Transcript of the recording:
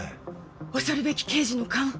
恐るべき刑事の勘！